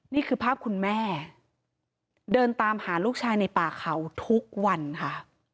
นี่คือภาพคุณแม่เดินตามหาลูกชายในป่าเขาทุกวันค่ะ